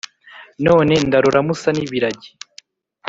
none ndarora musa n’ibiragi